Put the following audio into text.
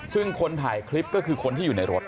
ซึ่งคนถ่ายคลิปก็คือคนที่อยู่ในรถ